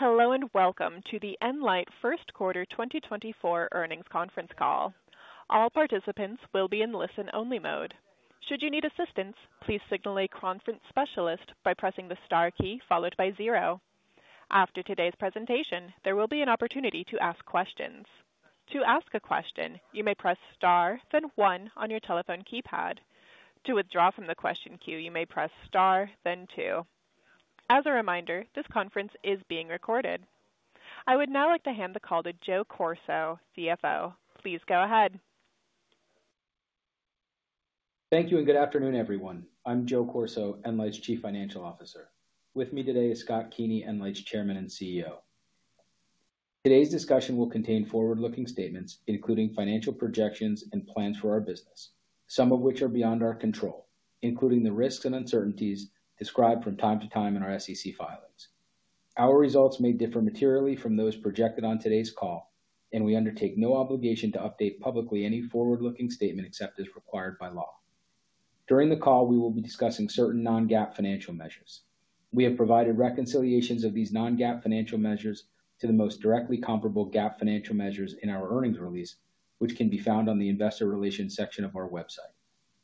Hello and welcome to the nLIGHT First Quarter 2024 Earnings Conference call. All participants will be in listen-only mode. Should you need assistance, please signal a conference specialist by pressing the star key followed by zero. After today's presentation, there will be an opportunity to ask questions. "To ask a question, you may press star, then one" on your telephone keypad. "To withdraw from the question queue, you may press star, then two". As a reminder, this conference is being recorded. I would now like to hand the call to Joe Corso, CFO. Please go ahead. Thank you and good afternoon, everyone. I'm Joe Corso, nLIGHT's Chief Financial Officer. With me today is Scott Keeney, nLIGHT's Chairman and CEO. Today's discussion will contain forward-looking statements, including financial projections and plans for our business, some of which are beyond our control, including the risks and uncertainties described from time to time in our SEC filings. Our results may differ materially from those projected on today's call, and we undertake no obligation to update publicly any forward-looking statement except as required by law. During the call, we will be discussing certain non-GAAP financial measures. We have provided reconciliations of these non-GAAP financial measures to the most directly comparable GAAP financial measures in our earnings release, which can be found on the Investor Relations section of our website.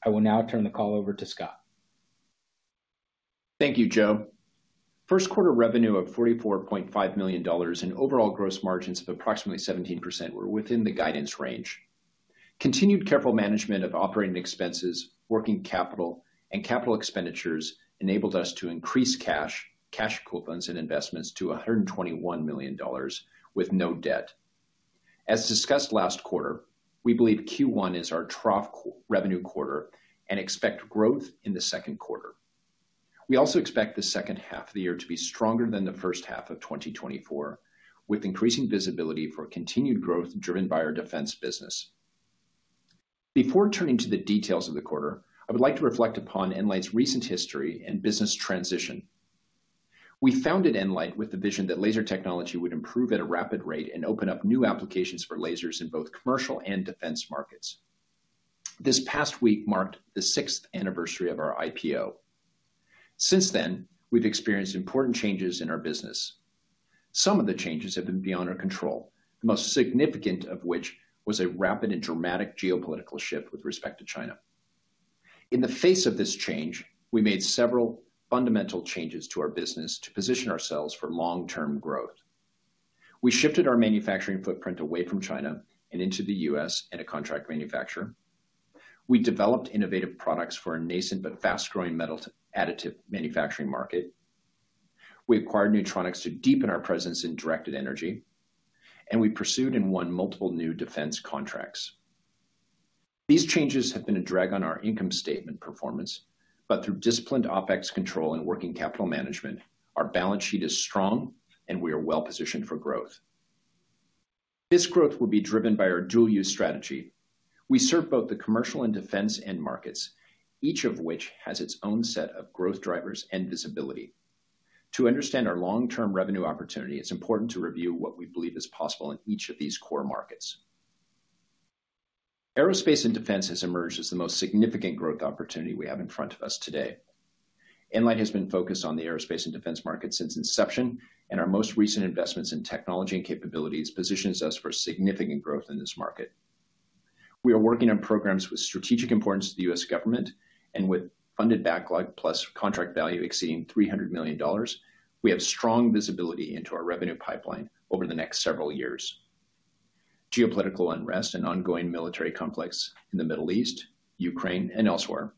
I will now turn the call over to Scott. Thank you, Joe. First quarter revenue of $44.5 million and overall gross margins of approximately 17% were within the guidance range. Continued careful management of operating expenses, working capital, and capital expenditures enabled us to increase cash, cash coupons, and investments to $121 million with no debt. As discussed last quarter, we believe Q1 is our trough revenue quarter and expect growth in the second quarter. We also expect the second half of the year to be stronger than the first half of 2024, with increasing visibility for continued growth driven by our defense business. Before turning to the details of the quarter, I would like to reflect upon nLIGHT's recent history and business transition. We founded nLIGHT with the vision that laser technology would improve at a rapid rate and open up new applications for lasers in both commercial and defense markets. This past week marked the sixth anniversary of our IPO. Since then, we've experienced important changes in our business. Some of the changes have been beyond our control, the most significant of which was a rapid and dramatic geopolitical shift with respect to China. In the face of this change, we made several fundamental changes to our business to position ourselves for long-term growth. We shifted our manufacturing footprint away from China and into the U.S. and a contract manufacturer. We developed innovative products for a nascent but fast-growing metal Additive Manufacturing market. We acquired Nutronics to deepen our presence in Directed Energy, and we pursued and won multiple new defense contracts. These changes have been a drag on our income statement performance, but through disciplined OPEX control and working capital management, our balance sheet is strong and we are well-positioned for growth. This growth will be driven by our dual-use strategy. We serve both the commercial and defense end markets, each of which has its own set of growth drivers and visibility. To understand our long-term revenue opportunity, it's important to review what we believe is possible in each of these core markets. Aerospace and defense has emerged as the most significant growth opportunity we have in front of us today. nLIGHT has been focused on the aerospace and defense market since inception, and our most recent investments in technology and capabilities position us for significant growth in this market. We are working on programs with strategic importance to the U.S. government, and with funded backlog plus contract value exceeding $300 million, we have strong visibility into our revenue pipeline over the next several years. Geopolitical unrest and ongoing military conflicts in the Middle East, Ukraine, and elsewhere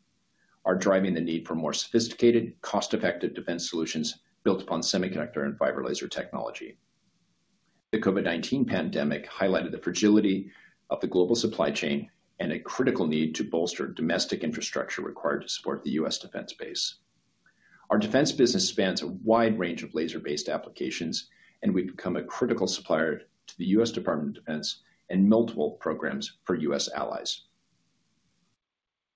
are driving the need for more sophisticated, cost-effective defense solutions built upon semiconductor and fiber laser technology. The COVID-19 pandemic highlighted the fragility of the global supply chain and a critical need to bolster domestic infrastructure required to support the U.S. defense base. Our defense business spans a wide range of laser-based applications, and we've become a critical supplier to the U.S. Department of Defense and multiple programs for U.S. allies.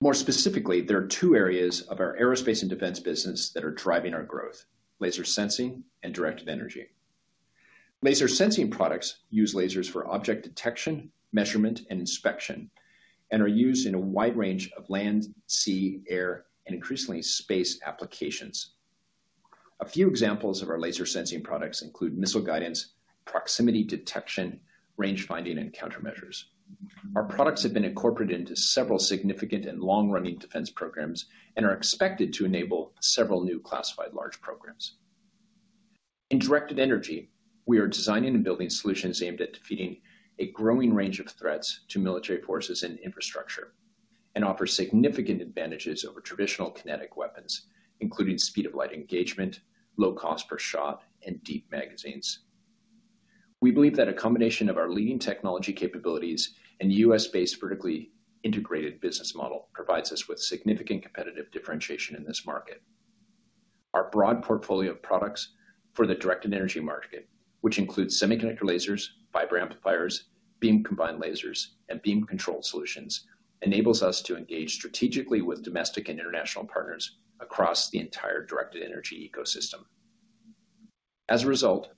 More specifically, there are two areas of our aerospace and defense business that are driving our growth: laser sensing and directed energy. Laser sensing products use lasers for object detection, measurement, and inspection, and are used in a wide range of land, sea, air, and increasingly space applications. A few examples of our laser sensing products include missile guidance, proximity detection, range finding, and countermeasures. Our products have been incorporated into several significant and long-running defense programs and are expected to enable several new classified large programs. In directed energy, we are designing and building solutions aimed at defeating a growing range of threats to military forces and infrastructure and offer significant advantages over traditional kinetic weapons, including speed of light engagement, low cost per shot, and deep magazines. We believe that a combination of our leading technology capabilities and U.S.-based vertically integrated business model provides us with significant competitive differentiation in this market. Our broad portfolio of products for the directed energy market, which includes semiconductor lasers, fiber amplifiers, beam combined lasers, and beam control solutions, enables us to engage strategically with domestic and international partners across the entire directed energy ecosystem. As a result,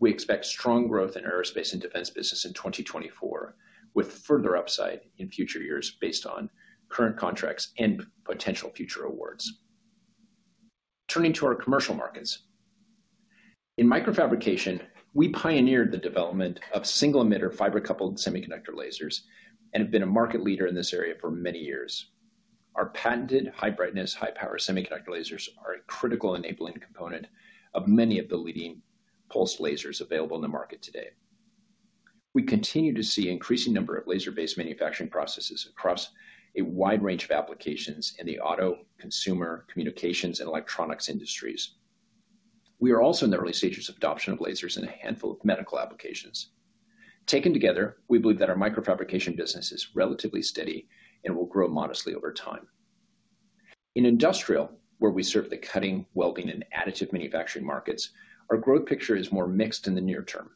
we expect strong growth in aerospace and defense business in 2024, with further upside in future years based on current contracts and potential future awards. Turning to our commercial markets. In microfabrication, we pioneered the development of single-emitter fiber-coupled semiconductor lasers and have been a market leader in this area for many years. Our patented high-brightness, high-power semiconductor lasers are a critical enabling component of many of the leading pulsed lasers available in the market today. We continue to see an increasing number of laser-based manufacturing processes across a wide range of applications in the auto, consumer, communications, and electronics industries. We are also in the early stages of adoption of lasers in a handful of medical applications. Taken together, we believe that our microfabrication business is relatively steady and will grow modestly over time. In industrial, where we serve the cutting, welding, and additive manufacturing markets, our growth picture is more mixed in the near term.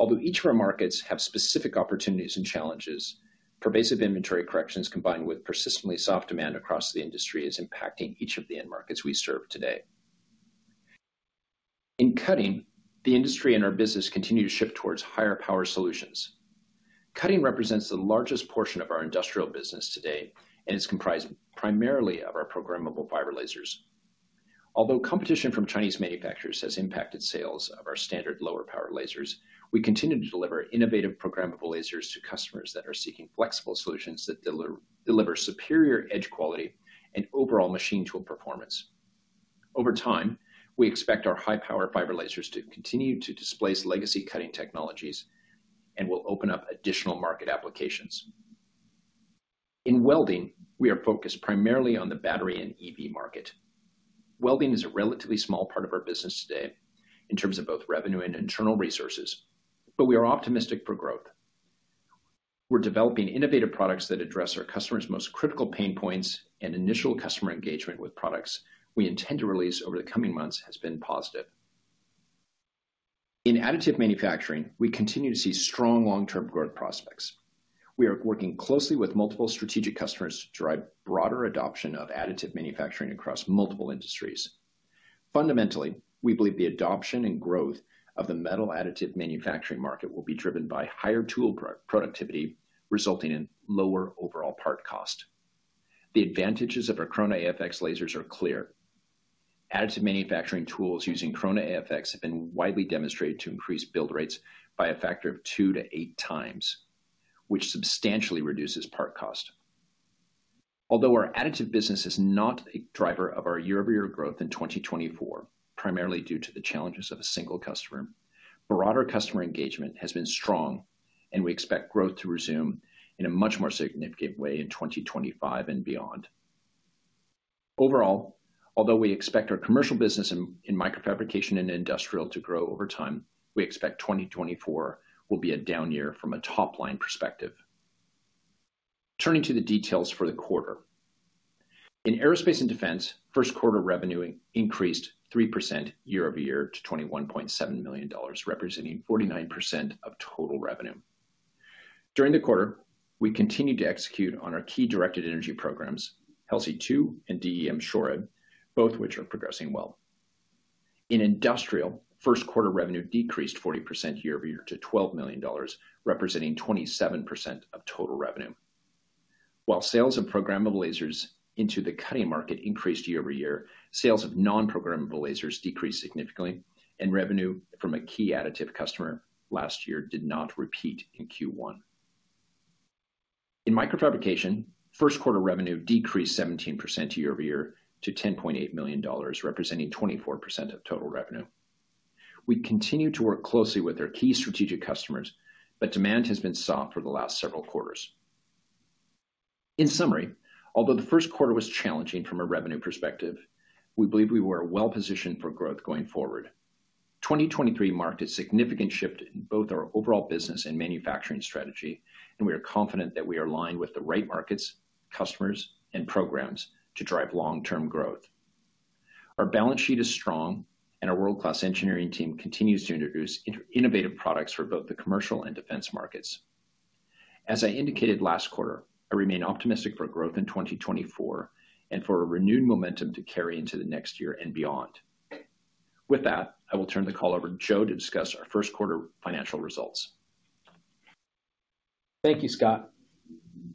Although each of our markets has specific opportunities and challenges, pervasive inventory corrections combined with persistently soft demand across the industry is impacting each of the end markets we serve today. In cutting, the industry and our business continue to shift towards higher power solutions. Cutting represents the largest portion of our industrial business today and is comprised primarily of our programmable fiber lasers. Although competition from Chinese manufacturers has impacted sales of our standard lower power lasers, we continue to deliver innovative programmable lasers to customers that are seeking flexible solutions that deliver superior edge quality and overall machine tool performance. Over time, we expect our high-power fiber lasers to continue to displace legacy cutting technologies and will open up additional market applications. In welding, we are focused primarily on the battery and EV market. Welding is a relatively small part of our business today in terms of both revenue and internal resources, but we are optimistic for growth. We're developing innovative products that address our customers' most critical pain points, and initial customer engagement with products we intend to release over the coming months has been positive. In additive manufacturing, we continue to see strong long-term growth prospects. We are working closely with multiple strategic customers to drive broader adoption of additive manufacturing across multiple industries. Fundamentally, we believe the adoption and growth of the metal additive manufacturing market will be driven by higher tool productivity, resulting in lower overall part cost. The advantages of our Corona AFX lasers are clear. Additive manufacturing tools using Corona AFX have been widely demonstrated to increase build rates by a factor of 2-8x, which substantially reduces part cost. Although our additive business is not a driver of our year-over-year growth in 2024, primarily due to the challenges of a single customer, broader customer engagement has been strong, and we expect growth to resume in a much more significant way in 2025 and beyond. Overall, although we expect our commercial business in microfabrication and industrial to grow over time, we expect 2024 will be a down year from a top-line perspective. Turning to the details for the quarter. In aerospace and defense, first quarter revenue increased 3% year-over-year to $21.7 million, representing 49% of total revenue. During the quarter, we continued to execute on our key directed energy programs, HELSI-2 and DE M-SHORAD, both which are progressing well. In industrial, first quarter revenue decreased 40% year-over-year to $12 million, representing 27% of total revenue. While sales of programmable lasers into the cutting market increased year-over-year, sales of non-programmable lasers decreased significantly, and revenue from a key additive customer last year did not repeat in Q1. In microfabrication, first quarter revenue decreased 17% year-over-year to $10.8 million, representing 24% of total revenue. We continue to work closely with our key strategic customers, but demand has been soft for the last several quarters. In summary, although the first quarter was challenging from a revenue perspective, we believe we were well-positioned for growth going forward. 2023 marked a significant shift in both our overall business and manufacturing strategy, and we are confident that we are aligned with the right markets, customers, and programs to drive long-term growth. Our balance sheet is strong, and our world-class engineering team continues to introduce innovative products for both the commercial and defense markets. As I indicated last quarter, I remain optimistic for growth in 2024 and for a renewed momentum to carry into the next year and beyond. With that, I will turn the call over to Joe to discuss our first quarter financial results. Thank you, Scott.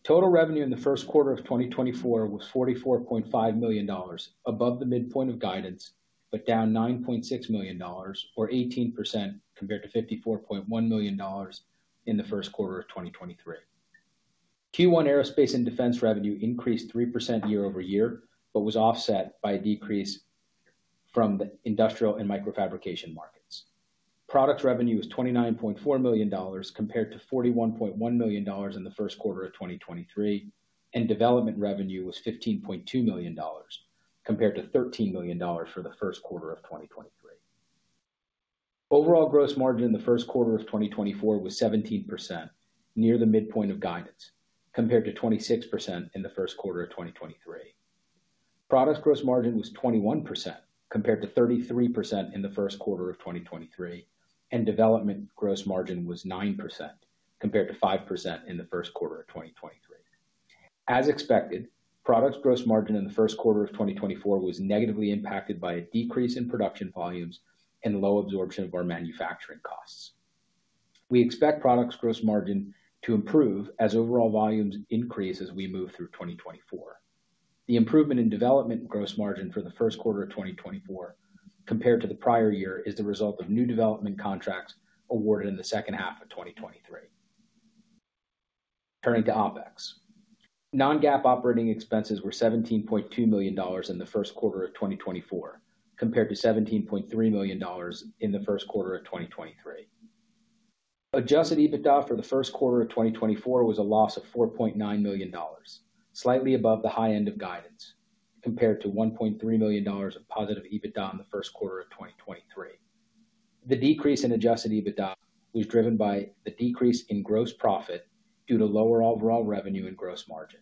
Total revenue in the first quarter of 2024 was $44.5 million, above the midpoint of guidance but down $9.6 million, or 18%, compared to $54.1 million in the first quarter of 2023. Q1 aerospace and defense revenue increased 3% year-over-year but was offset by a decrease from the industrial and microfabrication markets. Product revenue was $29.4 million compared to $41.1 million in the first quarter of 2023, and development revenue was $15.2 million compared to $13 million for the first quarter of 2023. Overall gross margin in the first quarter of 2024 was 17%, near the midpoint of guidance, compared to 26% in the first quarter of 2023. Product gross margin was 21%, compared to 33% in the first quarter of 2023, and development gross margin was 9%, compared to 5% in the first quarter of 2023. As expected, product gross margin in the first quarter of 2024 was negatively impacted by a decrease in production volumes and low absorption of our manufacturing costs. We expect product gross margin to improve as overall volumes increase as we move through 2024. The improvement in development gross margin for the first quarter of 2024 compared to the prior year is the result of new development contracts awarded in the second half of 2023. Turning to OPEX. Non-GAAP operating expenses were $17.2 million in the first quarter of 2024, compared to $17.3 million in the first quarter of 2023. Adjusted EBITDA for the first quarter of 2024 was a loss of $4.9 million, slightly above the high end of guidance, compared to $1.3 million of positive EBITDA in the first quarter of 2023. The decrease in Adjusted EBITDA was driven by the decrease in gross profit due to lower overall revenue and gross margin.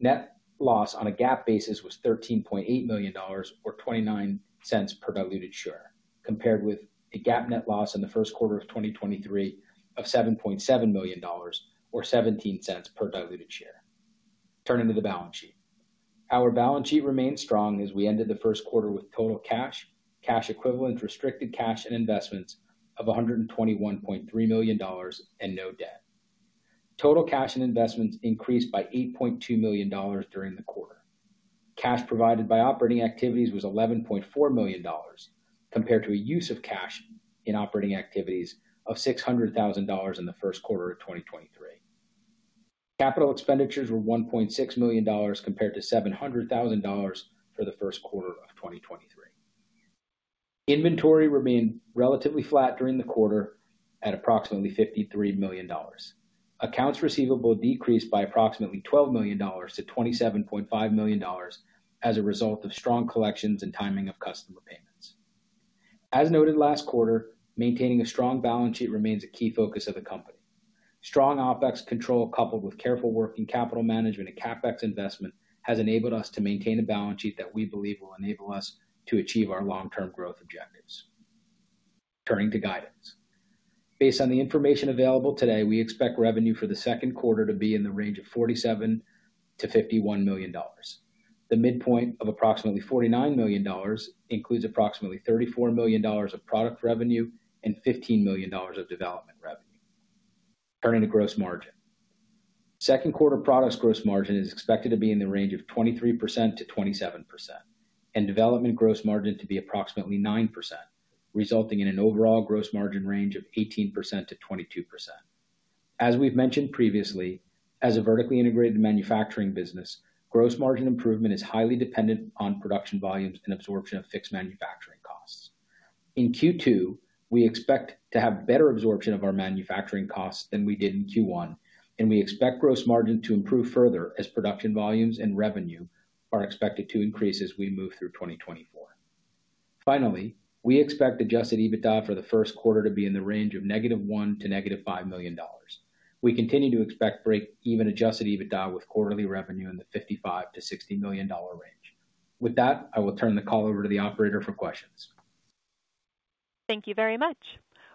Net loss on a GAAP basis was $13.8 million, or $0.29 per diluted share, compared with a GAAP net loss in the first quarter of 2023 of $7.7 million, or $0.17 per diluted share. Turning to the balance sheet. Our balance sheet remained strong as we ended the first quarter with total cash, cash equivalents, restricted cash, and investments of $121.3 million and no debt. Total cash and investments increased by $8.2 million during the quarter. Cash provided by operating activities was $11.4 million, compared to a use of cash in operating activities of $600,000 in the first quarter of 2023. Capital expenditures were $1.6 million, compared to $700,000 for the first quarter of 2023. Inventory remained relatively flat during the quarter at approximately $53 million. Accounts receivable decreased by approximately $12 million to $27.5 million as a result of strong collections and timing of customer payments. As noted last quarter, maintaining a strong balance sheet remains a key focus of the company. Strong OpEx control coupled with careful working capital management and CapEx investment has enabled us to maintain a balance sheet that we believe will enable us to achieve our long-term growth objectives. Turning to guidance. Based on the information available today, we expect revenue for the second quarter to be in the range of $47-$51 million. The midpoint of approximately $49 million includes approximately $34 million of product revenue and $15 million of development revenue. Turning to gross margin. Second quarter product gross margin is expected to be in the range of 23%-27%, and development gross margin to be approximately 9%, resulting in an overall gross margin range of 18%-22%. As we've mentioned previously, as a vertically integrated manufacturing business, gross margin improvement is highly dependent on production volumes and absorption of fixed manufacturing costs. In Q2, we expect to have better absorption of our manufacturing costs than we did in Q1, and we expect gross margin to improve further as production volumes and revenue are expected to increase as we move through 2024. Finally, we expect adjusted EBITDA for the first quarter to be in the range of -$1 million to -$5 million. We continue to expect break-even adjusted EBITDA with quarterly revenue in the $55-$60 million range. With that, I will turn the call over to the operator for questions. Thank you very much.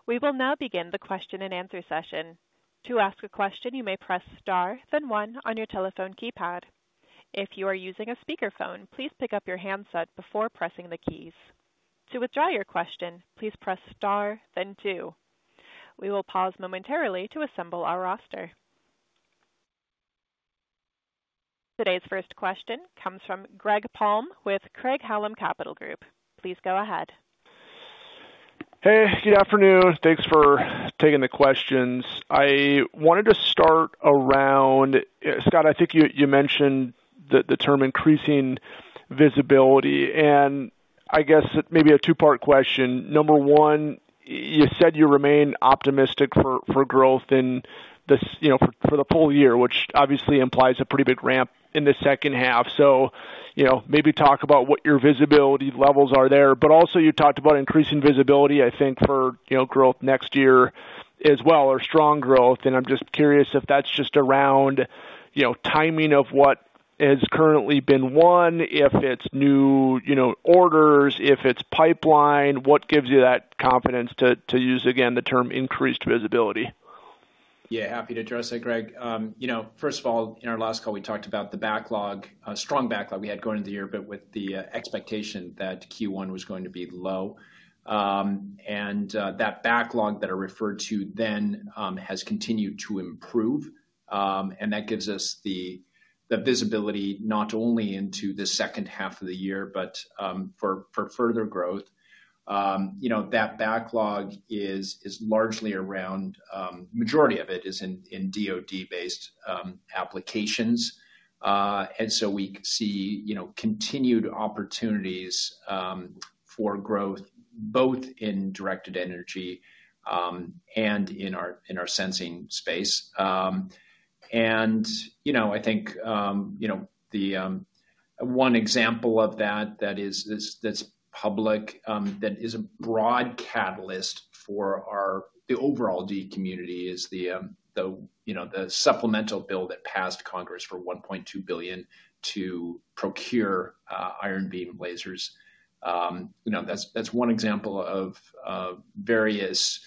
We will now begin the question-and-answer session. "To ask a question, you may press star, then one" on your telephone keypad. If you are using a speakerphone, please pick up your handset before pressing the keys. "To withdraw your question, please press star, then two". We will pause momentarily to assemble our roster. Today's first question comes from Greg Palm with Craig-Hallum Capital Group. Please go ahead. Hey. Good afternoon. Thanks for taking the questions. I wanted to start around Scott. I think you mentioned the term increasing visibility. And I guess maybe a two-part question. Number one, you said you remain optimistic for growth in the full year, which obviously implies a pretty big ramp in the second half. So maybe talk about what your visibility levels are there. But also, you talked about increasing visibility, I think, for growth next year as well, or strong growth. And I'm just curious if that's just around timing of what has currently been won, if it's new orders, if it's pipeline. What gives you that confidence to use, again, the term increased visibility? Yeah. Happy to address it, Greg. First of all, in our last call, we talked about the backlog, a strong backlog we had going into the year, but with the expectation that Q1 was going to be low. That backlog that I referred to then has continued to improve. That gives us the visibility not only into the second half of the year but for further growth. That backlog is largely around the majority of it is in DOD-based applications. We see continued opportunities for growth both in directed energy and in our sensing space. I think one example of that that's public, that is a broad catalyst for the overall DE community, is the supplemental bill that passed Congress for $1.2 billion to procure Iron Beam lasers. That's one example of various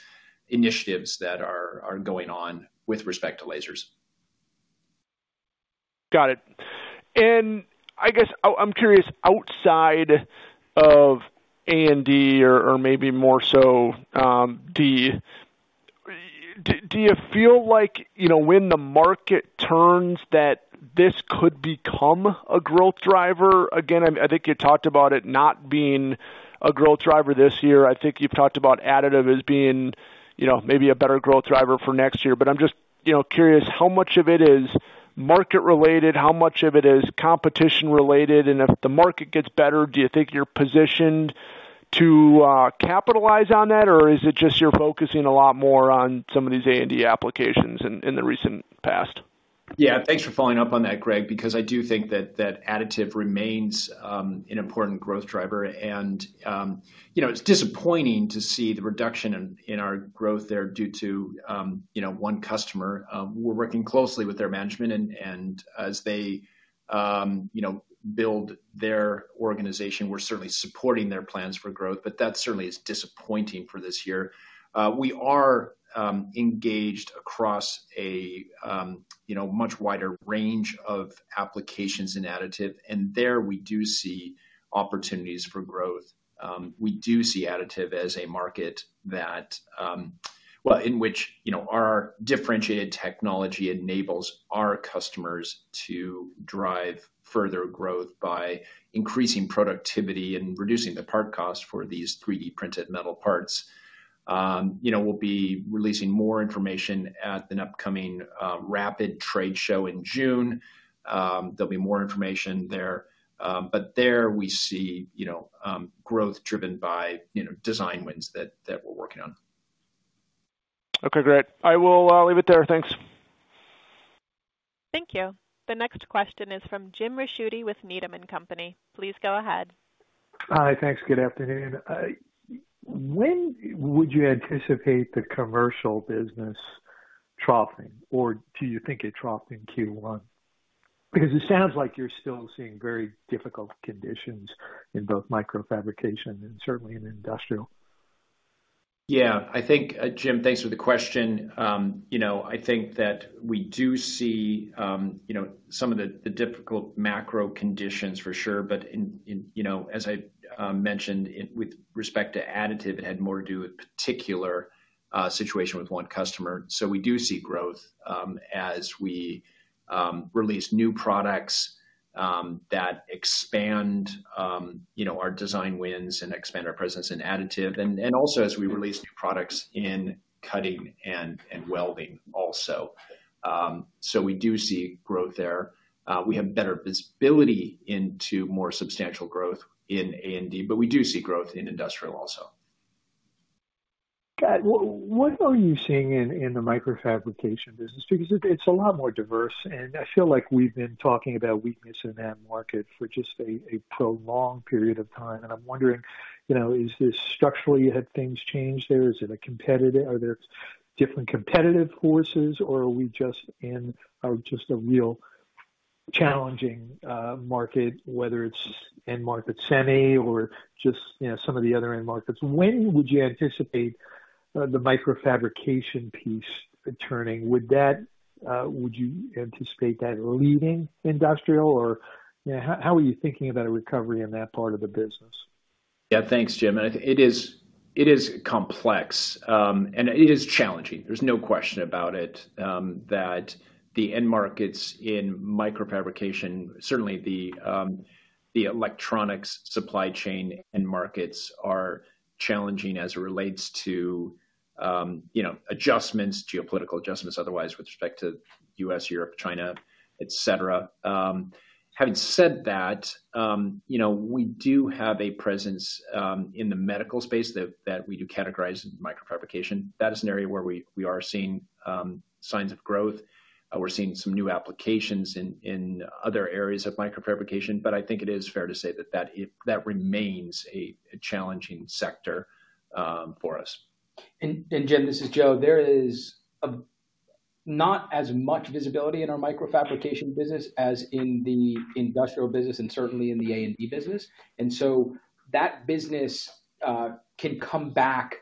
initiatives that are going on with respect to lasers. Got it. I guess I'm curious, outside of A&D or maybe more so DE, do you feel like when the market turns, that this could become a growth driver? Again, I think you talked about it not being a growth driver this year. I think you've talked about additive as being maybe a better growth driver for next year. I'm just curious, how much of it is market-related? How much of it is competition-related? If the market gets better, do you think you're positioned to capitalize on that, or is it just you're focusing a lot more on some of these A&D applications in the recent past? Yeah. Thanks for following up on that, Greg, because I do think that additive remains an important growth driver. And it's disappointing to see the reduction in our growth there due to one customer. We're working closely with their management. And as they build their organization, we're certainly supporting their plans for growth. But that certainly is disappointing for this year. We are engaged across a much wider range of applications in additive. And there, we do see opportunities for growth. We do see additive as a market, well, in which our differentiated technology enables our customers to drive further growth by increasing productivity and reducing the part cost for these 3D-printed metal parts. We'll be releasing more information at the upcoming Rapid Trade Show in June. There'll be more information there. But there, we see growth driven by design wins that we're working on. Okay, Greg. I will leave it there. Thanks. Thank you. The next question is from Jim Ricchiuti with Needham & Company. Please go ahead. Hi. Thanks. Good afternoon. When would you anticipate the commercial business troughing, or do you think it troughed in Q1? Because it sounds like you're still seeing very difficult conditions in both microfabrication and certainly in industrial. Yeah. Jim, thanks for the question. I think that we do see some of the difficult macro conditions, for sure. But as I mentioned, with respect to additive, it had more to do with a particular situation with one customer. So we do see growth as we release new products that expand our design wins and expand our presence in additive, and also as we release new products in cutting and welding also. So we do see growth there. We have better visibility into more substantial growth in A&D, but we do see growth in industrial also. Got it. What are you seeing in the microfabrication business? Because it's a lot more diverse. And I feel like we've been talking about weakness in that market for just a prolonged period of time. And I'm wondering, is this structurally have things changed there? Are there different competitive forces, or are we just in just a real challenging market, whether it's end-market semi or just some of the other end markets? When would you anticipate the microfabrication piece turning? Would you anticipate that leading industrial, or how are you thinking about a recovery in that part of the business? Yeah. Thanks, Jim. It is complex, and it is challenging. There's no question about it that the end markets in microfabrication, certainly the electronics supply chain end markets, are challenging as it relates to adjustments, geopolitical adjustments otherwise with respect to U.S., Europe, China, etc. Having said that, we do have a presence in the medical space that we do categorize as microfabrication. That is an area where we are seeing signs of growth. We're seeing some new applications in other areas of microfabrication. I think it is fair to say that that remains a challenging sector for us. And Jim, this is Joe. There is not as much visibility in our microfabrication business as in the industrial business and certainly in the A&D business. So that business can come back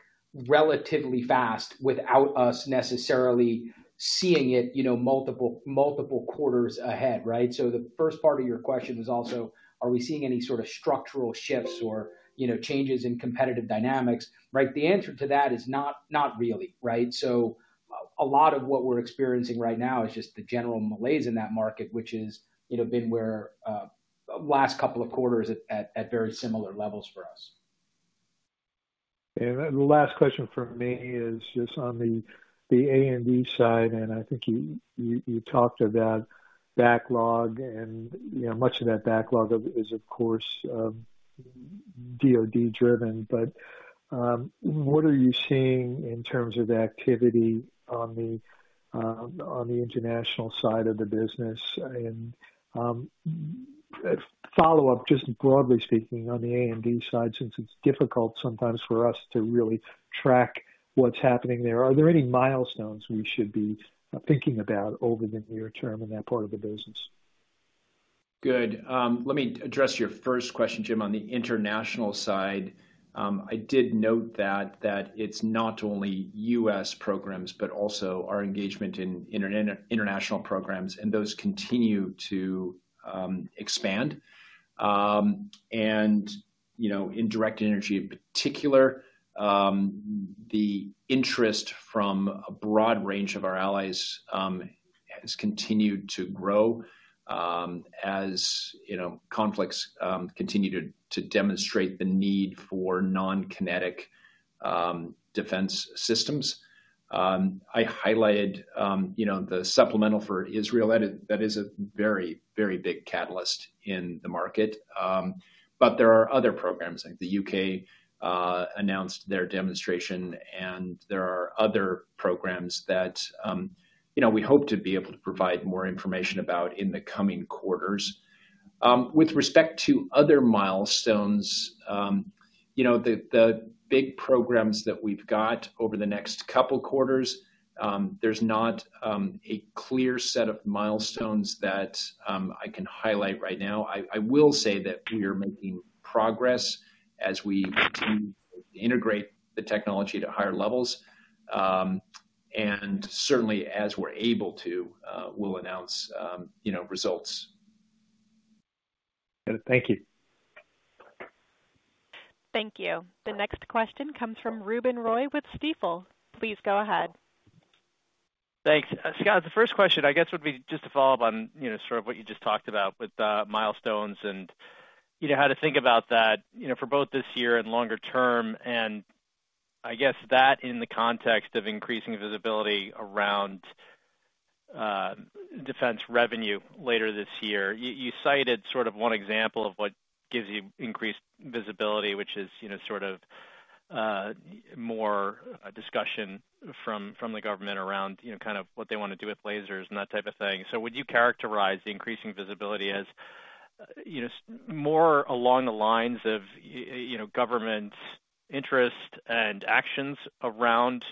relatively fast without us necessarily seeing it multiple quarters ahead, right? So the first part of your question is also, are we seeing any sort of structural shifts or changes in competitive dynamics, right? The answer to that is not really, right? So a lot of what we're experiencing right now is just the general malaise in that market, which has been where last couple of quarters at very similar levels for us. The last question for me is just on the A&D side. I think you talked about backlog. Much of that backlog is, of course, DOD-driven. What are you seeing in terms of activity on the international side of the business? Follow-up, just broadly speaking, on the A&D side, since it's difficult sometimes for us to really track what's happening there, are there any milestones we should be thinking about over the near term in that part of the business? Good. Let me address your first question, Jim. On the international side, I did note that it's not only U.S. programs but also our engagement in international programs. Those continue to expand. In directed energy in particular, the interest from a broad range of our allies has continued to grow as conflicts continue to demonstrate the need for non-kinetic defense systems. I highlighted the supplemental for Israel. That is a very, very big catalyst in the market. But there are other programs. I think the U.K. announced their demonstration. There are other programs that we hope to be able to provide more information about in the coming quarters. With respect to other milestones, the big programs that we've got over the next couple of quarters, there's not a clear set of milestones that I can highlight right now. I will say that we are making progress as we continue to integrate the technology to higher levels. Certainly, as we're able to, we'll announce results. Got it. Thank you. Thank you. The next question comes from Ruben Roy with Stifel. Please go ahead. Thanks. Scott, the first question, I guess, would be just to follow up on sort of what you just talked about with milestones and how to think about that for both this year and longer term, and I guess that in the context of increasing visibility around defense revenue later this year. You cited sort of one example of what gives you increased visibility, which is sort of more discussion from the government around kind of what they want to do with lasers and that type of thing. So would you characterize the increasing visibility as more along the lines of government interest and actions around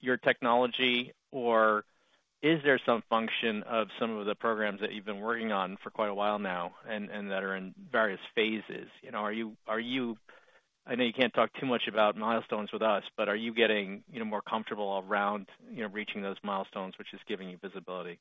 your technology, or is there some function of some of the programs that you've been working on for quite a while now and that are in various phases? I know you can't talk too much about milestones with us, but are you getting more comfortable around reaching those milestones, which is giving you visibility? Yeah,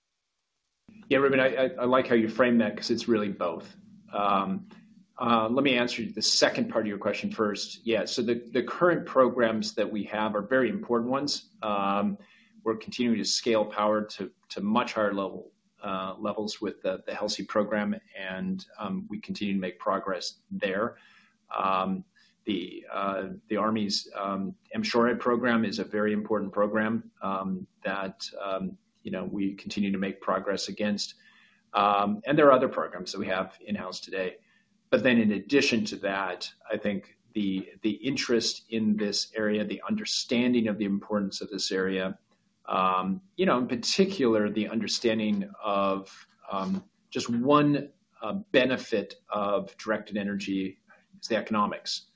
Ruben, I like how you framed that because it's really both. Let me answer the second part of your question first. Yeah. So the current programs that we have are very important ones. We're continuing to scale power to much higher levels with the HELSI program, and we continue to make progress there. The Army's M-SHORAD program is a very important program that we continue to make progress against. And there are other programs that we have in-house today. But then in addition to that, I think the interest in this area, the understanding of the importance of this area, in particular, the understanding of just one benefit of directed energy is the economics.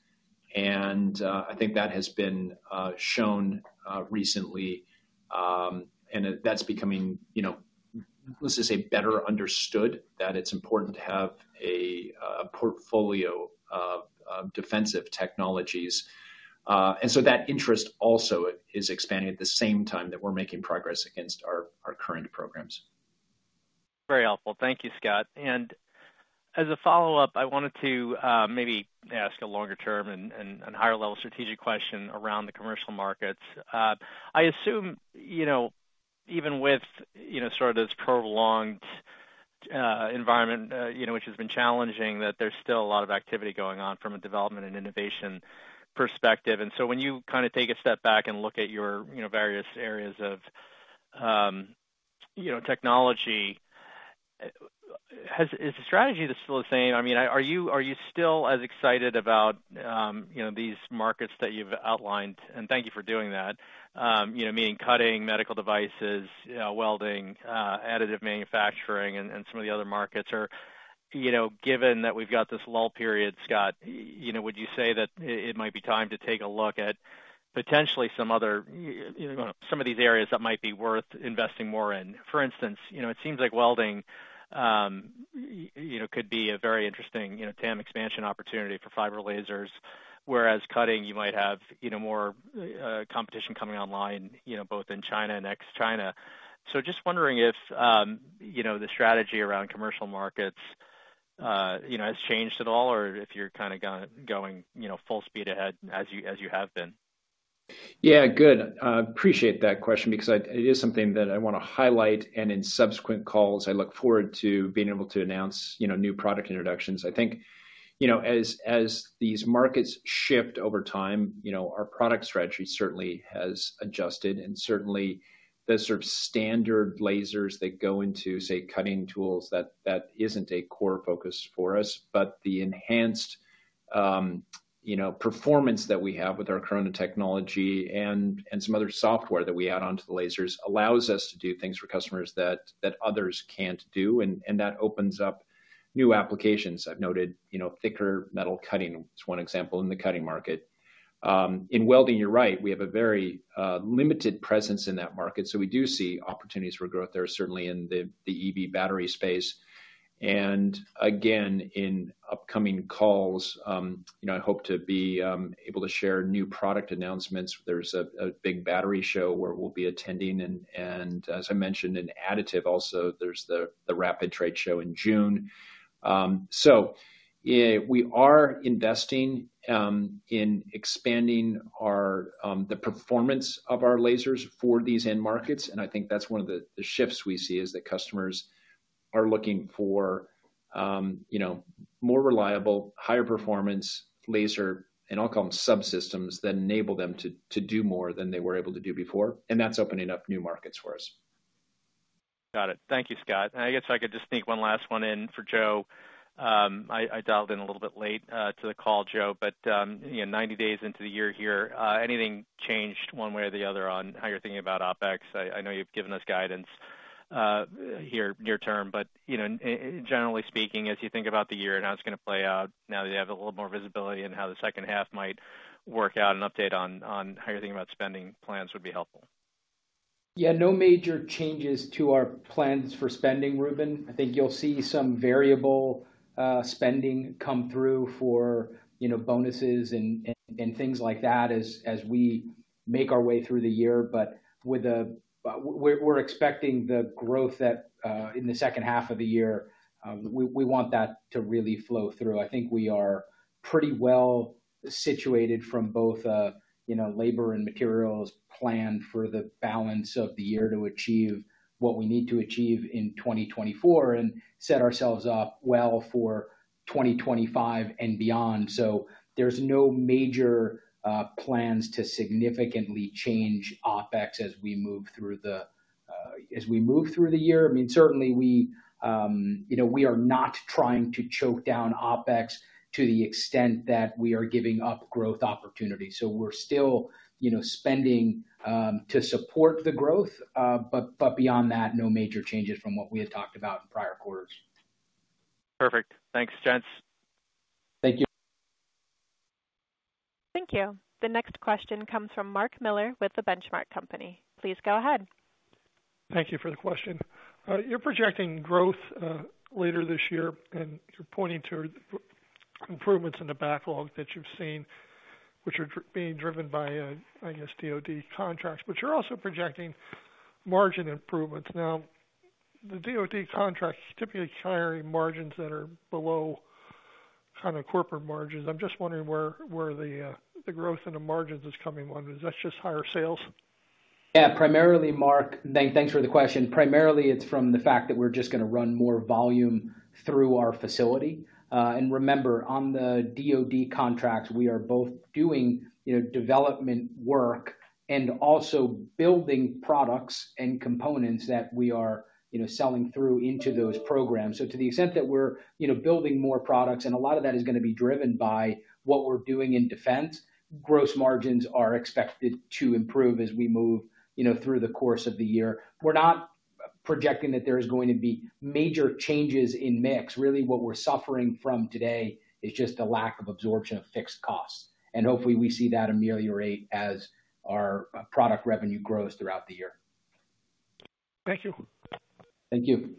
And I think that has been shown recently. And that's becoming, let's just say, better understood, that it's important to have a portfolio of defensive technologies. That interest also is expanding at the same time that we're making progress against our current programs. Very helpful. Thank you, Scott. And as a follow-up, I wanted to maybe ask a longer-term and higher-level strategic question around the commercial markets. I assume even with sort of this prolonged environment, which has been challenging, that there's still a lot of activity going on from a development and innovation perspective. And so when you kind of take a step back and look at your various areas of technology, is the strategy still the same? I mean, are you still as excited about these markets that you've outlined? And thank you for doing that, meaning cutting, medical devices, welding, additive manufacturing, and some of the other markets. Or given that we've got this lull period, Scott, would you say that it might be time to take a look at potentially some of these areas that might be worth investing more in? For instance, it seems like welding could be a very interesting TAM expansion opportunity for fiber lasers, whereas cutting, you might have more competition coming online both in China and ex-China. So just wondering if the strategy around commercial markets has changed at all, or if you're kind of going full speed ahead as you have been. Yeah. Good. I appreciate that question because it is something that I want to highlight. In subsequent calls, I look forward to being able to announce new product introductions. I think as these markets shift over time, our product strategy certainly has adjusted. Certainly, the sort of standard lasers that go into, say, cutting tools, that isn't a core focus for us. The enhanced performance that we have with our Corona technology and some other software that we add onto the lasers allows us to do things for customers that others can't do. That opens up new applications. I've noted thicker metal cutting is one example in the cutting market. In welding, you're right. We have a very limited presence in that market. We do see opportunities for growth there, certainly in the EV battery space. Again, in upcoming calls, I hope to be able to share new product announcements. There's a big battery show where we'll be attending. As I mentioned, in additive also, there's the Rapid Trade Show in June. We are investing in expanding the performance of our lasers for these end markets. I think that's one of the shifts we see, is that customers are looking for more reliable, higher-performance laser, and I'll call them subsystems that enable them to do more than they were able to do before. That's opening up new markets for us. Got it. Thank you, Scott. And I guess I could just sneak one last one in for Joe. I dialed in a little bit late to the call, Joe. But 90 days into the year here, anything changed one way or the other on how you're thinking about OPEX? I know you've given us guidance here near term. But generally speaking, as you think about the year and how it's going to play out, now that you have a little more visibility in how the second half might work out, an update on how you're thinking about spending plans would be helpful. Yeah. No major changes to our plans for spending, Ruben. I think you'll see some variable spending come through for bonuses and things like that as we make our way through the year. But we're expecting the growth in the second half of the year. We want that to really flow through. I think we are pretty well situated from both labor and materials plan for the balance of the year to achieve what we need to achieve in 2024 and set ourselves up well for 2025 and beyond. So there's no major plans to significantly change OPEX as we move through the year. I mean, certainly, we are not trying to choke down OPEX to the extent that we are giving up growth opportunities. So we're still spending to support the growth. But beyond that, no major changes from what we had talked about in prior quarters. Perfect. Thanks, Joe. Thank you. Thank you. The next question comes from Mark Miller with The Benchmark Company. Please go ahead. Thank you for the question. You're projecting growth later this year. You're pointing to improvements in the backlog that you've seen, which are being driven by, I guess, DoD contracts. You're also projecting margin improvements. Now, the DoD contracts typically have margins that are below kind of corporate margins. I'm just wondering where the growth in the margins is coming from. Is that just higher sales? Yeah. Thanks for the question. Primarily, it's from the fact that we're just going to run more volume through our facility. And remember, on the DOD contracts, we are both doing development work and also building products and components that we are selling through into those programs. So to the extent that we're building more products, and a lot of that is going to be driven by what we're doing in defense, gross margins are expected to improve as we move through the course of the year. We're not projecting that there is going to be major changes in mix. Really, what we're suffering from today is just a lack of absorption of fixed costs. And hopefully, we see that immediately or late as our product revenue grows throughout the year. Thank you. Thank you.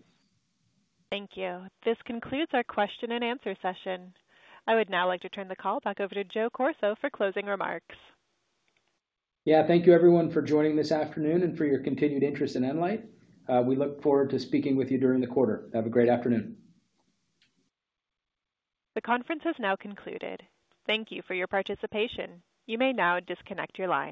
Thank you. This concludes our question-and-answer session. I would now like to turn the call back over to Joe Corso for closing remarks. Yeah. Thank you, everyone, for joining this afternoon and for your continued interest in nLIGHT. We look forward to speaking with you during the quarter. Have a great afternoon. The conference has now concluded. Thank you for your participation. You may now disconnect your line.